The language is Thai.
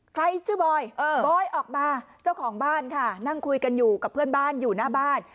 ใครชื่อบอยบอยออกมาเจ้าของบ้านค่ะนั่งคุยกันอยู่กับเพื่อนบ้านอยู่หน้าบ้าน